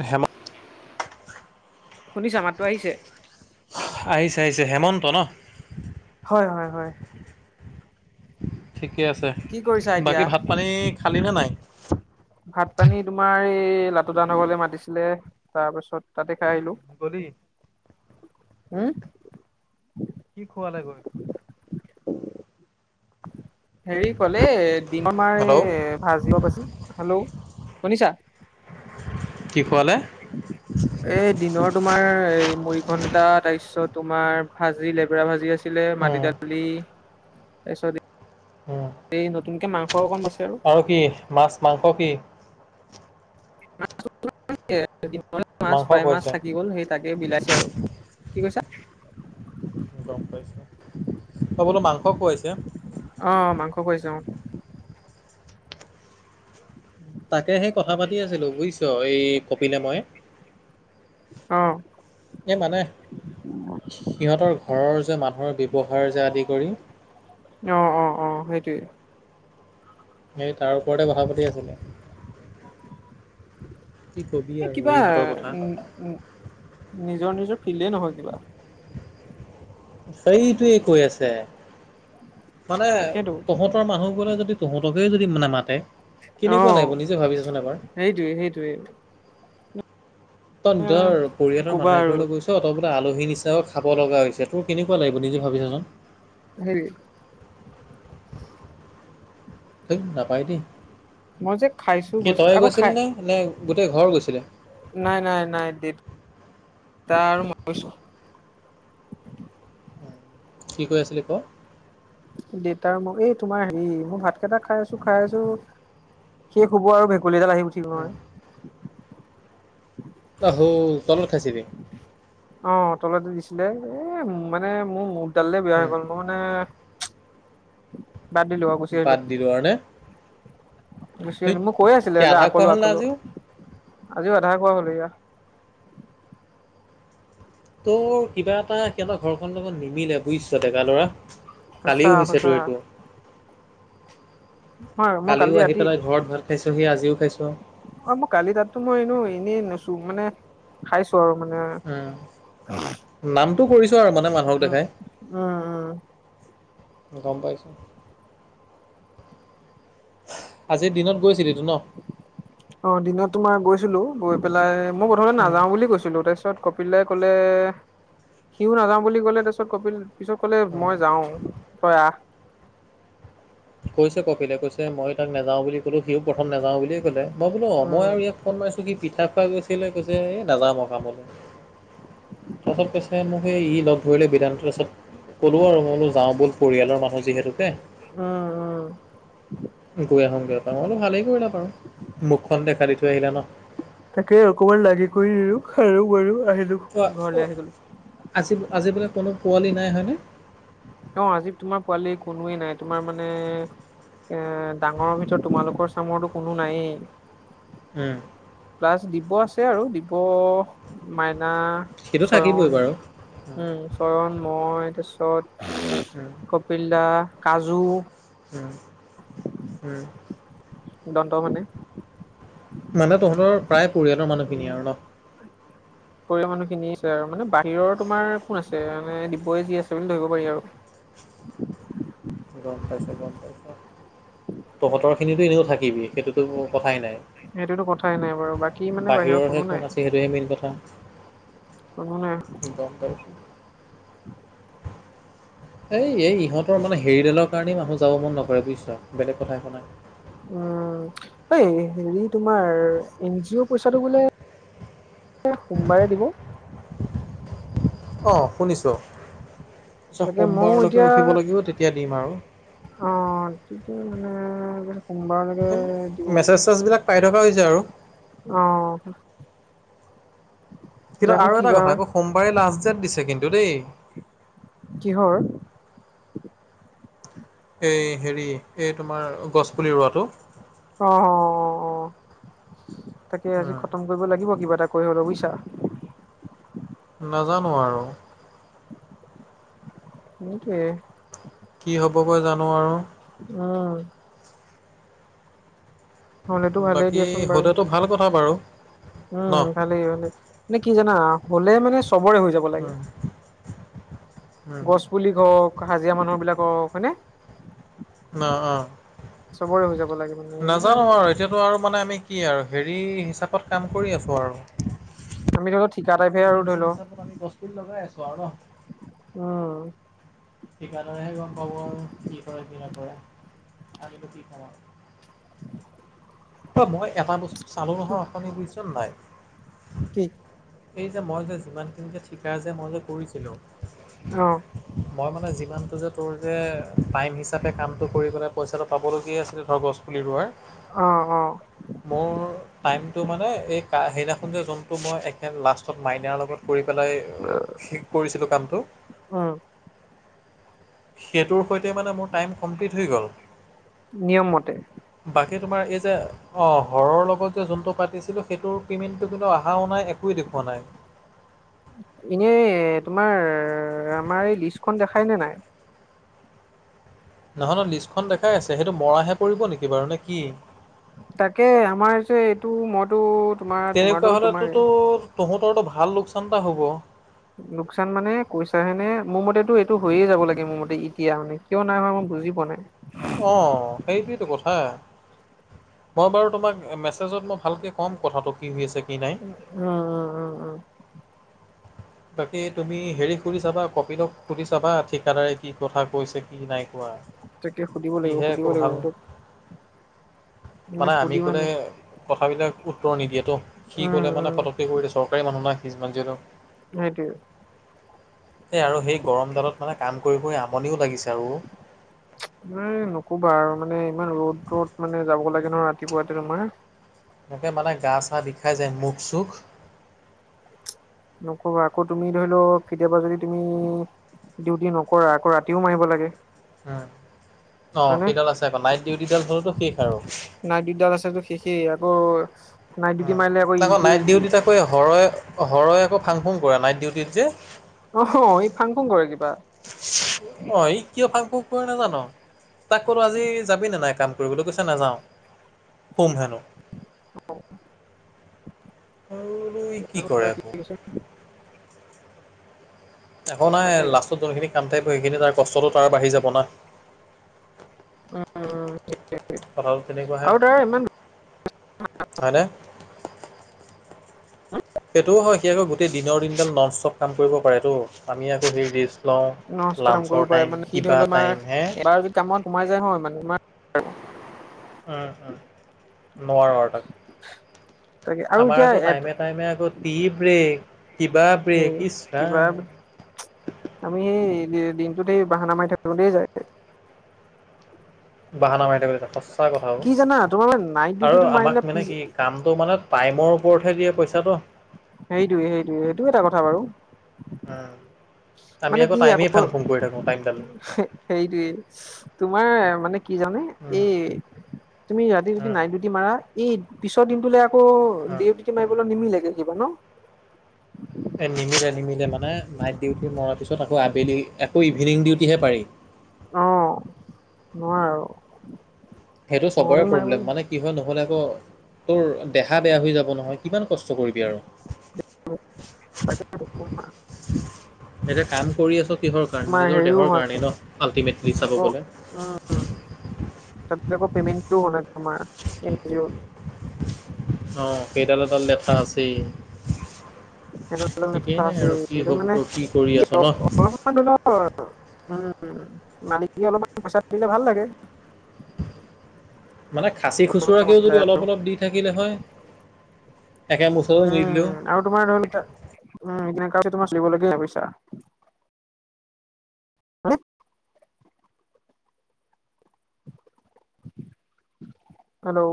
এই হেম শুনিছা মাতটো আহিছে? আহিছে আহিছে হেমন্ত ন? হয়, হয়, ‌হয়। ঠিকে আছে এতিয়া? বাকী ভাত পানী খালি নে নাই? ভাত পানী তোমাৰ এই লাটু‌ দা হতৰ ঘৰলে মাতিছিলে তাৰ পাছত তাতে খাই আহিলোঁ। গলি [unintelligible] হম? কি খোৱালে গৈ? হেৰি কলে ডি ন আমাৰ হেল্ল' এ ভাজি অলব আছিল। হেল্ল' শুনিছা? কি খোৱালে? এই দিনৰ তোমাৰ এই মুৰি ঘন্টা, ‌তাৰপিছত তোমাৰ ভাজি লেবেৰা ভাজি আছে ছিলে মাটি উম দালি, তাৰপিছত উম এই নতুনকে মাংস অকণ বাইছে আৰু। আৰু কি, মাছ মাংস কি? [unintelligible] মাছ মাংস প্ৰায় মাছ খুৱাইছে থাকি গ'ল, সেই তাকে বিলাইছে আৰু, কি কৈছা? গম পাইছোঁ। হাবলো মাংস খোৱাইছে? অ মাংস পোৰিছে অ। তাকে সেই কথা পাতি আছিলো বুজিছ এই কপিলে মই। অ'। এই মানে, সিহঁতৰ ঘৰৰ যে মানুহৰ ব্যৱহাৰ যে আদি কৰি অ অ অ সেইটোৱে। সেই তাৰ ওপৰতে কথা পাতি আছিলো। কি কবি এই আৰু কিবা ইহঁতৰ কথা উ নিজৰ নিজৰ ফিল্ডেই নহয় কিবা। সেইটোৱে কৈ আছে মানে তাকেতো তহঁতৰ মানুহ বোৰে যদি তহঁতকে যদি নামাতে কেনেকুৱা অ' লাগিব নিজে ভাবি চোৱাচোন এবাৰ। সেইটোৱে সেইটোৱে। তন দৰ কি পৰিয়ালৰ ক'বা মানুহ এ আৰু ঘৰলৈ গৈছ- ত তই বোলে আলহী নিচিনা খাব লগা হৈছে তোৰ কেনেকুৱা লাগিব নিজে ভাবিছাচোন। হেৰি। তেই নাপায় দেই মই যে খাইছো কি গৈছো তই আকৌ গৈছিল খাই নে নে গোটেই ঘৰ গৈছিলে। নাই নাই নাই দিত তাৰ মই গৈছো। কি কৈ আছিলি ক। দেউতাৰ ম এই তোমাৰ হেৰি মই ভাত কেইটা খাই আছো খাই আছো। শেষ হুব আৰু ভেকুলী এডাল আহি উঠি গ'ল উম। নহয়। অ হ' তলত খাইছিলি। অ তলতে দিছিলে এ মানে মোৰ মুখডালে বেয়া হৈ উম, গ'ল। মই মানে বাদ দিলো আও। বাদ দিলো আৰু নে গুচি ধেৎ আহিলো মোক কৈ আছিলো কি আধা খোৱা আকলো হ'ল নে আকলো আজিও আজিও আধা খোৱা হল এয়া। তোৰ কিবা এটা সিহঁতৰ ঘৰখনৰ লগত। নিমিলে বুজিছ ডেকা লৰা সঁচা কালিও হৈছে সঁচা তোৰ এইটো, হয় মই কালি কালিও আহি ৰাতি পেলাই ঘৰত ভাত খাইছ সি আজিও খাইছ। অ মই কালি তাতো মই এনে এনেই নুছো মানে খাইছো আৰু মানে। উ নামটো কৰিছো আৰু মানে মানুহক উম উম উম দেখাই। গম পাইছো। আজিৰ দিনত গৈছিলিটো ন। অ দিনত তোমাৰ গৈছিলো গৈ পেলাই মই প্ৰথমতে উম। নাযাও বুলি কৈছিলো তাৰপাছত কপিলে ক'লে সিও নাযাওঁ বুলি ক'লে তাছত কপিল পিছত কলে অ', মই যাওঁ তই আহ। কৈছে কপিলে কৈছে মই তাক নাযাওঁ বুলি কলো সিও প্ৰথম নাযাওঁ বুলিয়েই কলে মই বোলো অ মই উম আৰু ইয়াক ফোন মাইছো কি পিঠা খোৱা গৈছিলে কৈছে এই নাযাওঁ আৰু কামলে। তাছত কৈছে মোক সেই ই লগ ধৰিলে বিদানটো আছত। ক'লোঁ আৰু মইনো যাওঁ ব'ল পৰিয়ালৰ মানুহ যিহেতুকে। অ অহ। গৈ আহো গৈ এপা অলপ ভালেই কৰিলা বাৰু মুখখন দেখা দি থৈ আহিলা ন। তাকে অকমান লাগি কৰি দিলোঁ খালো বলো আহিলো। কোৱা ঘৰলে অ, আহি গলো আজি আজি বোলে কোনো পোৱালি নাই হয় নে? অ আজি তোমাৰ পোৱালি কোনোৱেই নাই তোমাৰ মানে এ ডাঙৰৰ ভিতৰত তোমালোকৰ চামৰো কোনো নাইয়েই। উম। প্লাছ দিব আছে আৰু দিব মাইনা সেইটো থাকিবই চয়ন। বাৰু। উম চয়ণ মই তাছত হুম। কপিল দা, কাজু হুম, হুম। দন্ত মানে মানে তহঁতৰ প্ৰায় পৰিয়ালৰ মানুহখিনিয়ে উম আৰু ন? পৰিয়ালৰ মানুহখিনি আছে আৰু মানে বাহিৰৰ তোমাৰ কোন আছে মানে ডিবই যি আছে বুলি ধৰিব পাৰি আৰু। গম পাইছোঁ গম পাইছোঁ তহঁতৰ খিনিতো এনেইও থাকিবি সেইটোতো কথাই নাই। সেইটোতো কথাই নাই বাৰু বাকী মানে বাহিৰৰ বাহিৰৰহে কোনো কোন আছে সেইটোহে মেইন কথা নাই। কোনো নাই। গম পাইছোঁ। [unintelligible] হেই এই ইহঁতৰ মানে হেৰিডালৰ কাৰণেই মানুহ যাব মন নকৰে বুইছ। বেলেগ কথা একো নাই। উম এই হেৰি তোমাৰ এন জি অ' পইচাটো বোলে [unintelligible] সোমবাৰে দিব। অ, শুনিছো। ছ তাকে ময়ো সোমবাৰলৈকে এতিয়া ৰখিব লাগিব তেতিয়া দিম আৰু। অ তেতিয়া মানে সোমবাৰলৈকে দিব মেছেজ-চেছবিলাক পাই থকা হৈছে আৰু। অ। কিন্তু জানো আৰু কি এটা বা কথা। হয় আকৌ সোমবাৰে লাষ্ট ডেট দিছে কিন্তু দেই। কিহৰ? এই হেৰি এই তোমাৰ গছপুলি ৰোৱাটো। অ-অ-অ-অ তাকে আজি উম, খতম কৰিব লাগিব কিবা এটা কৰিব হলেও বুইছা। নাজানো আৰু। সেইটোৱে। কি হ'বগৈ জানো আৰু? উম। হলেতো ভালেই বাকী দিয়াচোন বাৰু হ'লেটো ভাল কথা বাৰু। ন উম ভালেই, ভালে। মানে কি জানা হ'লে মানে চবৰে হৈ যাব লাগে। উম উম। গছ পুলি হওক, হাজিৰা মানুহ বিলাক হওক হয়নে? ন অ চবৰে হৈ যাব লাগে। মানে এইবিলাক নাজানো আৰু এতিয়াতো আৰু মানে আমি কি আৰু হেৰি হিচাপত কাম কৰি আছো আৰু। আমি ধৰি লও ঠিকা টাইপে আৰু ধৰি লও। [unintelligible] কি লগাই আছো আৰু ন। উম। ঠিকাদাৰেহে গম পাব আৰু কি কৰে কি নকৰে। আমিটো কি কম অ। মই এটা বস্তু চালো কি নহয় অথনি বুইছনে নাই? কি? এই যে মই যে যিমানখিনি যে ঠিকা যে মই যে কৰিছিলো। অ। মই মানে যিমানটো যে তোৰ যে টাইম হিচাপে কামটো কৰি পেলাই পইচাটো পাবলগীয়া আছিল। ধৰ গছ পুলি ৰোৱাৰ। অ, অ। মোৰ টাইমটো মানে এই কা সেইদিনাখন যে যোনটো মই একে লাষ্ট তত মাইনাৰ লগত কৰি পেলাই শেষ কৰিছিলো কামটো। উম। সেইটোৰ সৈতে মানে মোৰ টাইম কমপ্লিট হৈ গ'ল। নিয়ম মতে। বাকী তোমাৰ এই যে অ, হৰৰ লগত যে যোনটো পাতিছিলোঁ, সেইটোৰ পে'মেণ্টটো কিন্তু আহাও নাই, একোৱে দেখুওৱা নাই। এনে তোমাৰ আমাৰ লিষ্টখন দেখাই নে নাই? নহয় নয় লিষ্টখন দেখাই আছে সেইটো মৰাহে পৰিব নেকি বাৰু নে কি? তাকে আমাৰ যে এইটো মইতো তোমাৰ তেনেকুৱা তোমাৰতো তোমাৰে হলেটোতো তহঁতৰটো ভাল লোকচান এটা হ'ব। লোকচান মানে কৈছাহে নে? মোৰ মতেটো এইটো হৈয়ে যাব লাগে মোৰ মতে। এতিয়া মানে কিয় নাই হোৱা মই বুজি পোৱা নাই। [inaudible] অ সেইটোৱেটো কথা। মই বাৰু তোমাক মেছেজত মই ভালকে ক'ম কথাটো কি হৈ আছে কি নাই? উম, অ', অ', তাকে তুমি হেৰি সুধি চাবা কপিলক সুধি চাবা ঠিকাদাৰে কি কথা কৈছে কি নাই কোৱা? তাকে সুধিব লাগিব সিহে সুধিব একো লাগিব ভাল [unintelligible] মানে আমি সুধি ক'লে মানে কথাবিলাক উত্তৰ নিদিয়েতো সি উম ক'লে মানে উম পটক সেই কৰি দিয়ে চৰকাৰি মানুহ না‌ সি যিমান যি হ'লেও। সেইটোৱে। সে আৰু সেই গৰমডালত মানে কাম কৰি- কৰি আমনিও লাগিছে আৰু। [inaudible] এ নকোবা আৰু মানে ইমান ৰ'দ-ৰ'দ মানে যাব লাগে নহ ৰাতিপুৱাতে তোমাৰ। একে মানে গা চা বিষাই যায় মুখ-চুখ নকবা আকৌ তুমি ধৰি লও কেতিয়াবা যদি তুমি ডিউটি নকৰা আকৌ ৰাতিও মাৰিব লাগে। উম, অ, হয়নে সেইডাল আছে আকৌ নাইট ডিউটিডাল হ'লেতো শেষ আৰু। নাইট ডিউটিদাল আছে যদি শেষেই আকৌ নাইট অ, ডিউটি মাৰিলে আকৌ তাকৌ ইটো নাইট ডিউটিত আকৌ হৰই -হৰই আকৌ ফাংফুন কৰে নাইট ডিউটিত যে। অ, হ, ই ফাং ফুং কৰে কিবা। অ, ই কিয় ফাং ফুক কৰে নাজান? তাক ক'লো আজি যাবি নে নাই কাম কৰিবলৈ কৈছে নাযাও শুম হেনো। টো ই কি কৰে আকৌ? একো নাই তাকে লাষ্টত যোনখিনি কাম থাকিব সেইখিনি তাৰ কষ্টটো তাৰ বাঢ়ি যাব না। উম উম কথাটো তেনেকুৱাহে আৰু তাৰ ইমান হয়নে? সেইটোও হয় সি আকৌ গোটেই দিনৰ দিনডাল ন'ন ষ্টপ কাম কৰিব পাৰেটো আমি আকৌ [unintelligible] লওঁ নষ্ট কাম কৰিব লাঞ্চৰ পাৰে টাইম মানে সি ধৰি কিবা লও আমাৰ টাইম হে এবাৰ যদি কামত সোমায় যায় হয় [unintelligible] অ', অ', নোৱাৰোঁ আৰু তাকে তাক আৰু আমাৰ এতিয়া আকৌ এ টাইমে টাইমে আগত কি ব্ৰেক, টিবা এই ব্ৰেক ইছ কিবা ৰাম। আমি এই দিনটোত এই বাহানা মাৰি থাকিলো তেই যায় গে। বাহানা মাৰি থাকোঁতে [unintelligible] সঁচা কথা অ, কি জানা তোমাৰ মানে নাইট আৰু ডিউটিটো মাৰিলে আমাক মানে পিছ কি কামটো মানে টাইমৰ ওপৰতহে দিয়ে পইচাটো। সেইটোয়ে- সেইটোয়ে সেইটো এটা কথা বাৰু। আ, আমি মানে আকৌ কি টাইমেই ফাং ফুং কৰি থাকোঁ টাইমডাল। সেইটোৱে তোমাৰ মানে কি জানে উম, এই তুমি ৰাতি যদি উম, নাইট ডিউটি তি মাৰা এই পিছৰ দিনটোলে আকৌ দে উম। ডিউটি মাৰিবলৈ নিমিলেগে কিবা ন? এ নিমিলে- নিমিলে মানে নাইট ডিউটি মৰাৰ পিছত আকৌ আবেলি আকৌ ইভিনিং ডিউটিহে পাৰি। অ, নোৱৰো। সেইটো চবৰে প্ৰব্লেম মানে কি হয় নহলে আকৌ তোৰ দেহা বেয়া হৈ যাব নহয় কিমান কষ্ট কৰিবি আৰু? [unintelligible] এতিয়া কাম কৰি আছ কিহৰ কাৰণে তোমাৰ নিজৰ হেৰিও দেহৰ হয় কাৰণে ন'আল্টিমেটলি চাব গ'লে। অ, তাৰপিছত পেমেন্টটো হোৱা নাই তোমাৰ কি এন জি' অ। কবি। অ, সেইডাল এডাল লেঠা আছেই। [unintelligible] [unintelligible] ঠিকেই নাই আৰু কি হ'ব কি কৰি আছ ন। উম, মালিক অলপমান পইচা দিলে ভাল লাগে। মানে খাচী খুচুৰাকেও যদি অলপ-অলপ দি থাকিলে হয় একে মুচৰত নিদিলেও। উম, আৰু তোমাৰ [unintelligible] [inaudible] হেল্ল',